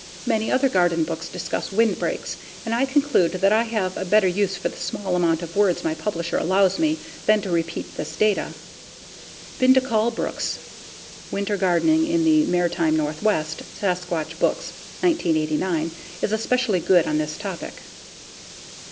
Many other garden books discuss windbreaks, and I conclude that I have a better use for the small amount of words my publisher allows me than to repeat this data; Binda Colebrook's [i]Winter Gardening in the Maritime Northwest[i] (Sasquatch Books, 1989) is especially good on this topic.